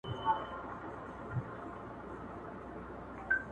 ملي اردو نه، لویه جرګه مني